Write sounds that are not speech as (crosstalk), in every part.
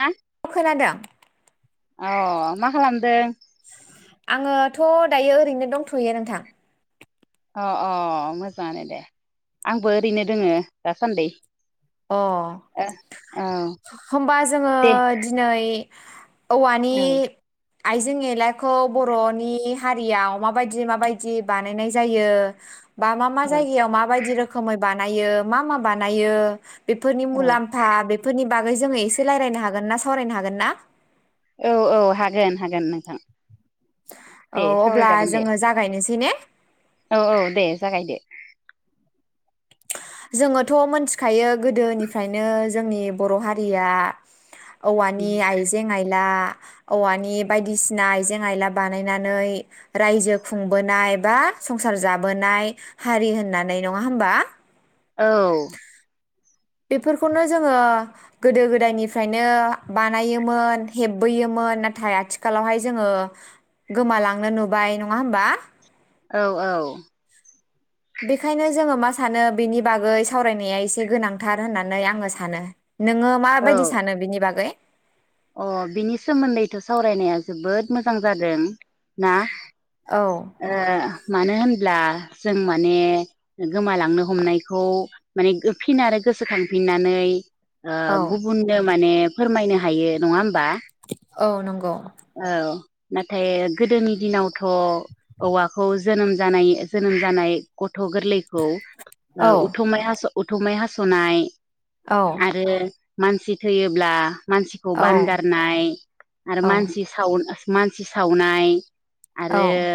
हा अ खोनादों अ मा खालामदों आङोथ' दायो ओरैनो दंथ'यो नोंथां अ अ मोजाङानो दे आंबो ओरैनो दोङो दासान्दै अ होमबा जोङो दे दिनै औवानि औ आइजें आलाइखौ बर'नि हारियाव माबायदि माबायदि बानायनाय जायो बा मा मा औ जायगायाव मा बायदि रोखोमै बा बानायो मा मा बानायो बेफोरनि औ मुलाम्फा बेफोरनि बागै जोङो एसे रायलायनो हागोन ना सावरायनो हागोन ना? औ-औ हागोन हागोन नोंथां। दे औ अब्ला जोङो जागायनोसै ने? औ-औ दे जागाय दो जोङोथ' मोनथिखायो गोदोनिफ्रायनो जोंनि बर' हारिया औवानि आइजें-आइला औवानि बायदिसिना आइजें-आइला बानायनानै रायजो खुंबोनाय बा संसार जाबोनाय हारि होननानै नङा होमबा? औ बेफोरखौनो जोङो गोदो-गोदायनिफ्रायनो बानायोमोन हेबबोयोमोन नाथाय आथिखालावहाय जोङो गोमालांनो नुबाय नङा होमबा? औ-औ बेखायनो जोङो मा सानो बेनि बागै सावरायनाया एसे गोनांथार होननानै आङो सानो नोङो औ माबायदि सानो बिनि बागै? अ बिनि सोमोन्दैथ' सावरायनाया जोबोद मोजां जादों ना औ ओ मानो होन अब्ला जों माने गोमालांनो हमनायखौ माने फिन आरो गोसोखांफिननानै ओ औ गुबुननो माने फोरमायनो हायो नङा होमबा? औ नंगौ औ नाथाय गोदोनि दिनावथ' औवाखौ जोनोम जानाय जोनोम जानाय गथ' गोरलैखौ ओ औ उथुमाइ हास' उथुमै हास'नाय औ आरो मानसि थैयोब्ला बान औ गारनाय आरो औ मानसि साव मानसि सावनाय आरो औ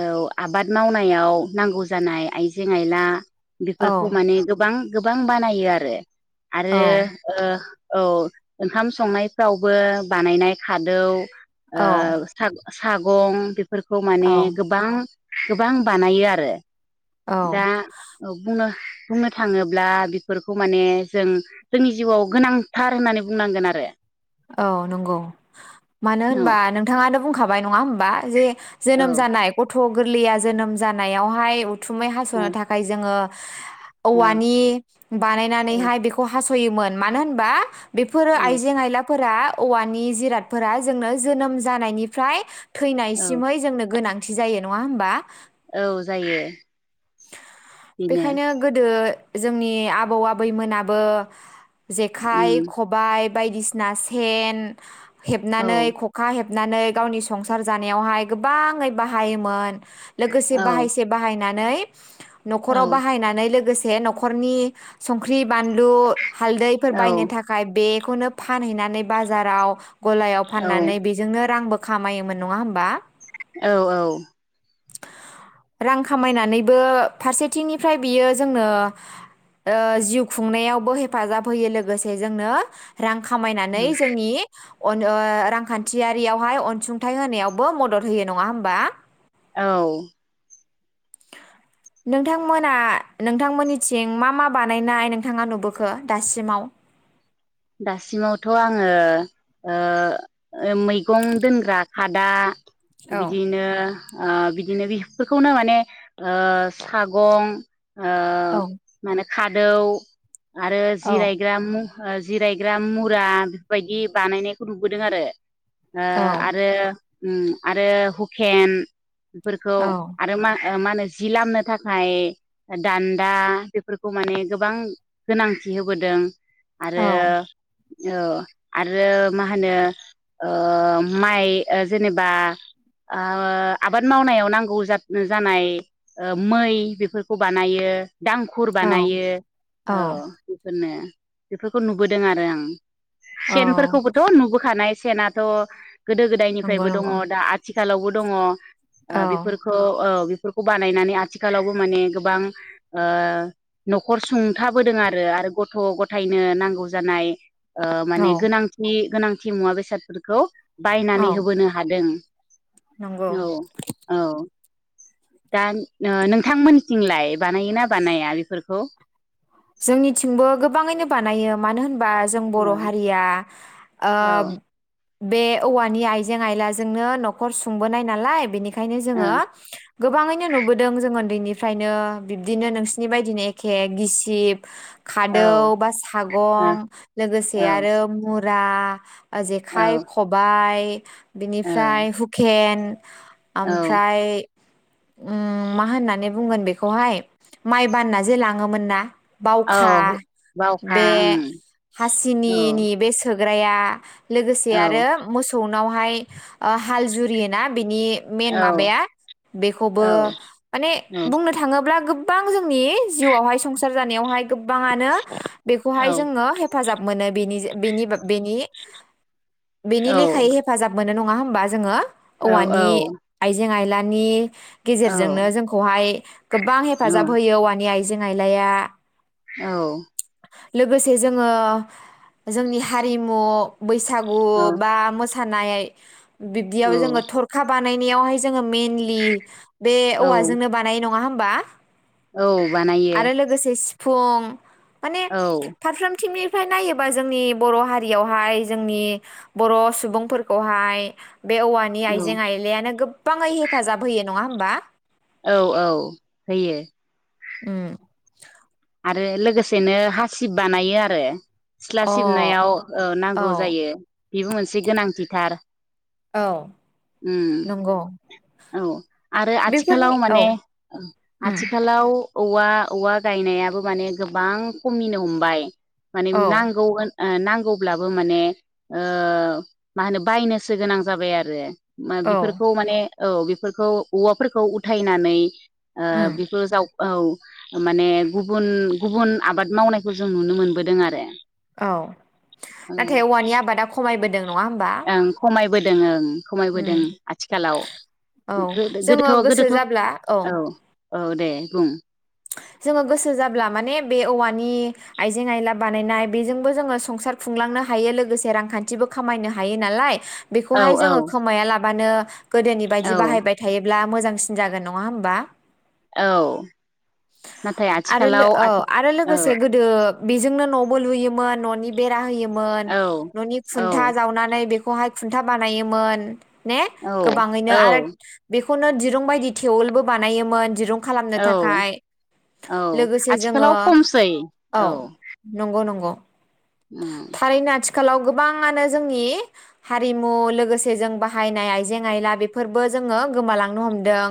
औ आबाद मावनायाव नांगौ जानाय आइजें-आइला। बेफोरखौ औ माने गोबां गोबां बानायो आरो। औ आरो ओ। औ ओंखाम संनायफ्रावबो बानायनाय खादौ औ ओ सागं सागं। फोरखौ माने औ गोबां गोबां बानायो आरो। दा औ औ बुंनो बुंनो थाङोब्ला बेफोरखौ माने जों जोंनि जिउआव गोनांथार होननानै बुंनांगोन आरो। औ नंगौ मानो औ होनबा नोंथाङाथ बुंखाबाय नंङा होमबा? जे औ जोनोम जानाय गथ' गथ' गोरलैया जोनोम जानायावहाय उथुमै हास'नो औ थाखाय जोंङो (inaudible) औवानि औ बानायनानैहाय बेखौ हास' सयोमोन मानो होनबा बेफोरो औ आइजें-आइला फोरा औवानि जिरादफोरा जोंनो जोनोम जानायनिफ्राय औ थैनायसिमहै जोंनो गोनां थि जायो नंङा होमबा? औ जायो बिनो। बेखायनो गोदो जोंनि आबौ आबैमोनाबो जेखाइ उम खबाय। बायदिसिना ना सेन औ हेबनानै ख'खा हेब हेबनानै गावनि संसार जानायावहाय गोबाङै बाहायोमोन। लोगोसे औ बाहायसे बाहायनानै नै औ न'खराव बाहायनानै लोगोसे बे न'खरनि संख्रि बानलु हालदैफोर बायनो थाखाय बेग खौनो फानहैनानै बाजाराव गलायाव औ फाननानै बेजोंनो रांबो खामायोमोन नङा होमबा औ औ रां खामायनानैबो फारसेथिंनिफ्राय बियो जोंनो ओ जिउ खुंनायावबो हेफाजाब होयो लोगोसे जोंनो रां औ खामायनानै जोंनि अन ओ रांखान्थियारियावहाय अनसुंथाइ होनायावबो मदद होयो। नङा होमबा? औ। नोंथांमोना नोंथांमोननिथिं मा मा बानायनाय नोंथाङा नुबोखो दासिमाव दासिमावथ' आङो ओ ओ मैगं दोनग्रा खादा औ बिदिनो ओ बिदिनो बेफोरखौनो माने ओ सागं ओ औ मानो खादौ आरो औ जिरायग्रा मु (unintelligible) जिरायग्रा मुरा बेफोरबायदि बानायनायखौ नुबोदों आरो ओ आरो उम आरो हुखेन बेफोरखौ औ आरो मा मा होनो जि लामनो थाखाय दान्दा बेफोरखौ माने गोबां गोनांथि होबोदों। औ आरो औ आरो मा होनो ओ माइ जेनेबा आ आबाद मावनायाव नांगौ जा-जानाय ओ मै बेफोरखौ बानायो। दांखुर औ बानायो औ बेफोरनो। बेफोरखौ नुबोदों आरो आं। औ सेनफोरखौबोथ' नुबोखानाय। सेनाथ' गोदो नंगौ गोदायनिफ्रायबो दङ'। नंगौ दा आथि खालावबो दङ'। ओ औ बेफोरखौ ओम फोरखौ बानायनानै आथिखालावबो माने गोबां ओ न'खर सुंथाबोदों आरो। आरो गथ' ग थायनो नांगौ जानाय ओ औ माने गोनांथि गोनांथि मुवा बेसादफोरखौ औ बायनानै होबोनो हादों। नंगौ औ औ। दा नो नोंथांमोननिथिंलाय बानायो ना बानाया बेफोरखौ? जोंनिथिंबो गोबाङैनो बानायो मानो होन बा जों बर' औ हारिया ओ औ बे औवानि आइजें आइलाजोंनो न'खर सुंबोनाय नालाय बेनिखायनो ओंखायनो औ जोङो गोबाङैनो नुबोदों जोङो उन्दैनिफ्रायनो बिब्दिनो नोंसोरनि बायदिनो एखे गिसि सिप औ खादौ बा सागं लोगोसे औ आरो मुर ब्रा औ जेखाइ खबायाइ (inaudible) बिनिफ्राय ओ हुकेन औ ओमफ्राय मा होननानै बुंगोन बेखौहाय माइ बान्ना जे लाङोमोन ना औ बावखा बावखा बे ओं हासिनिनि बे सो ग्राया लोगोसे औ आरो मोसौनो उानावहय हाल जुरियोना बिनि मेन औ माबाया बेखौबो औ मने बुंनो थाङोब्ला गोबां जोंनि जिउआवहाय संसार जानायावहाय गोबांनो औ बेखौहाय जोङो हेफाजाब मोनो बेनि बेनि बेनि बेनि औ लेखायै हेफाजाब मोनो नङा होनबा होनबा जोङो औ औवानि आइजें आइला नि गेजेरजोंनो जोंखौहाय गोबां हेफाजाब होयो औवानि आइ (unintelligible) लाया औ लोगोसे जोङो जोंनि हारिमु बैसागु औ बा मोसा थानाय बिब्दियाव औ जोङो थरखा बा बानायनायाव हाय जोंङो मेनलि बे औ औवाजोंनो बानायो नङा होम बा औ बानायो आरो लोगोसे सि फुं माने औ फारफ्रोम थिमि फ्राय नायोबा जोंनि बर हारियावहाय जोंनि बर सुबुंफोरखौहाय बे औवानि औ आइजें आइलायानो गोब गोबाङै हेफाजाब होयो नङा होमबा औ औ होयो उम आरो लोगोसेनो हासिब बानायो आरो सिथ्ला अ सिबनायाव ओ औ नांगौ जायो बेबो मोनसे गोनांथिथार औ ओम नंगौ औ आरो आथिखालाव बेफोरनि औ माने औ उम आथिखालाव औवा औवा गायनाया माने गोबां खमिनो हमबाय माने औ नांगौगोन ओ नांगौब्लाबो माने ओ मा होनो बायनोसो गोनां जाबाय आरो मा औ बेफोरखौ माने औ बेफोरखौ औवाफोरखौ उथायनानै ओ उम बेफोर जाव औ माने गुबुन गुबुन आबाद मावनायखौ जों नुनो मोनबोदों आरो औ औ नाथाय औवानि आबादा खमायबोदों नङा होमबा बोदों ओं खमायबोदों उम आथिखालाव औ गोद गोदोथ जोङो गोसो गोदोथ जाब्ला औ औ दे बुं जोङो गोसो जाब्ला माने बे औवानि आइजें आइला बानायनाय बेजोंबो जोङो संसार खुंलांनो हायो लोगोसे रांखान्थिबो खामायनो हायो नालाय औ बेखौहाय औ जोङो खोमाया ला बानो गोदोनि औ बायदि बाहायबाय थायोब्ला मोजांसिन जागोन नङा होमबा औ नाथाय आरो आथिखालाव औ आथि आरो लोगोसे औ गोदो बेजोंनो न'बो लुयोमोन न'नि बेरा होयो मोन औ न'नि औ खुन्था जावनानै बे खौहाय खुन्था बानायोमोन ने औ गोबाङैनो औ आरो बे (unintelligible) दिरुं बायदि थेवलबो बानायोन दिरुं खालामनो थाखाय औ औ लोगोसे जोङो आथिखालाव खमसै औ। नंगौ नंगौ उम। (unintelligible) गोबाङानो जोंनि हारिमु लोगोसे जों बाहायनाय आइजें -आइला बेफोरबो जोङो गोमालांनो हमदों।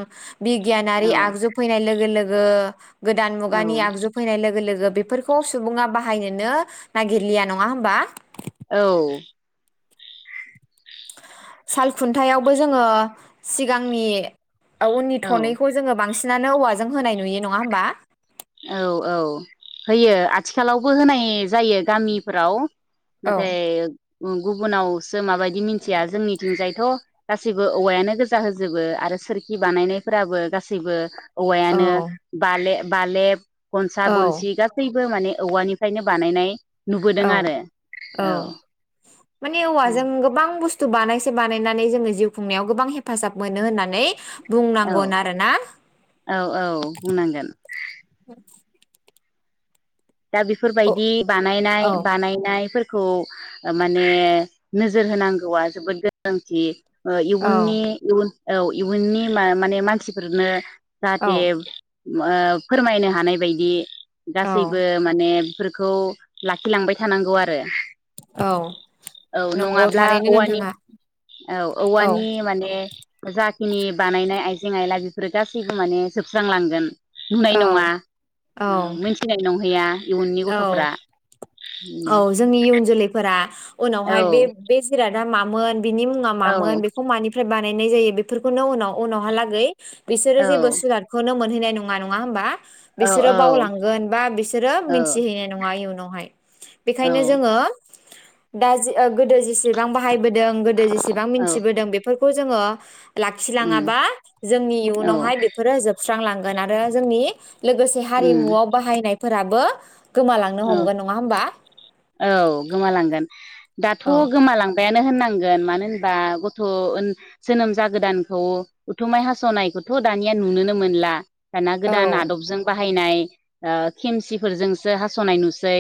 बिगियानारि औ आगजु फैनाय लोगो -लोगो (unintelligible) गोदान मुगानि औ आगजु फैनाय लोगो -लोगो बेफोरखौ सुबुङा बाहायनोनो नागिरलिया नङा होमबा? औ साल खुन्थायावबो जोङो सिगांनि औ उननि थनैखौ जोङो बांसिन (unintelligible) औवाजों होनाय नुयो नङा होमबा? औ औ होयो आथिखालावबो होनाय जायो गामिफोराव औ नाथाय गुबुनावसो माबायदि मिन्थिया जोंनिथिंजायथ' गासैबो औवायानो गोजा होजोबो आरो सोरखि बानायनायफोराबो गासैबो औ औवायानो बालेब बालेब गनसा औ -गनसि गासै बो माने औवानिफ्रायनो बानायनाय नुबोदों औ आरो औ माने औवाजों गोबां (unintelligible) (unintelligible) बानायसे बानायनानै जोङो जिउ खुंनायाव गोबां हेफाजाब मोनो होननानै औ बुंनांगोन आरो ना। औ औ बुंनांगोन दा औ बेफोरबायदि औ बानायनाय बानायनायफोर (unintelligible) माने नोजोर होनांगौआ जोबोद गोनांथि। औ इयुननि इयुन औ इयुननि म माने मानसिफोरनो औ जाहाथे फोरमायनो हानाय बायदि गासैबो औ माने बेफोरखौ लाखिलांबाय थानांगौ आरो। औ औ नंगौ नङाब्ला थारैनो औवानि नोंथाङा औ औ औवानि माने जाखिनि बानायनाय आइजें -आयला बेफोरो गासैबो माने जोबस्रांलांगोन। नुनाय औ नङा औ मोनथिनाय नङा। औ औ जोंनि इयुन जोलैफोरा उनावहाय औ बे-बे दा मामोन बिनि मुङा औ मामोन बेखौ मानि बानायनाय जायो बेफोरखौनो उनाव उनावहालागै औ बिसोरो जेबो सुलादखौनो मोन मोनहैनाय नङा नङा होनोमबा? औ बिसोरो बावलांगोन बा बिसो रो औ मिन्थिहैनाय नङा मानि उनावहाय औ बेखायनो जोङो दा जिस ओ गोदो जेसेबां बाहायबोदों गोदो जेसेबां औ मिथिबोदों बेफोरखौ जोङो (unintelligible) लाखिलाङाबा जोंनि इयुनावहाय बेफोरो जोब स्रांलांगोन आरो जोंनि लोगोसे हारिमुआव बाहायनाय फोराबो गोमालांनो हमगोन नङा होमबा? औ गोमालांगोन दाथ' औ गोमालांबायानो नो होननांगोन मानो होनबा गथ' जोनोम उन जागोदानखौ उथुमाय हास'नायखौथ' दानिया नुनोनो मोनला दाना औ गोदान आदबजों बाहायनाय ओ खेमसिफोरजोंसो हास'नाय नुसै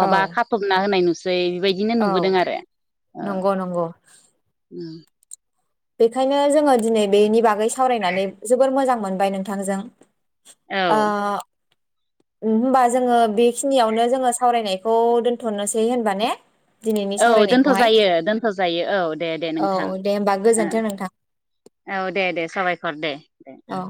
औ फबना होनाय नुसै बेबायदिनो औ नुबोदों आरो नंगौ नंगौ ओम बेखायनो जोङो दिनै बेनि बागै सावरायनानै जोबोर मोजां मोनबाय नोंथांजों औ ओ होनबा जोङो बेखिनियावनो जोङो सावरायनायखौ दोन्थ'नोसै होनबा ने दिनैनि औ दोनथ' सावरायनायखौहाय जायो दोनथ' जायो औ दे दे औ नोंथां दे होमबा ओ गोजोन्थों नोंथां औ दे दे साबायखर दे दे ओम। औ